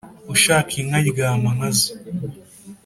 Ushaka inka aryama nkazo